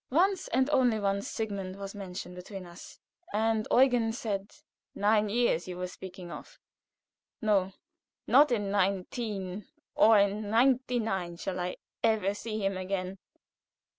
Once and only once was Sigmund mentioned between us, and Eugen said: "Nine years, were you speaking of? No not in nineteen, nor in ninety nine shall I ever see him again."